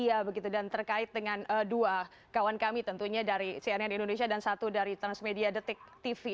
bang imam juga melihat di media dan terkait dengan dua kawan kami tentunya dari cnn indonesia dan satu dari transmedia detik tv